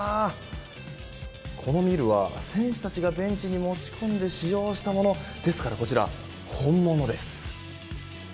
このミルは選手たちがベンチに持ち込んで使用したものですからこちら、本物です。